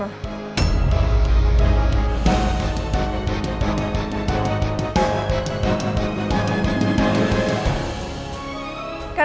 oh banget ini